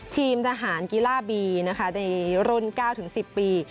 ทีมทหารกีฬาบี๙๑๐ปี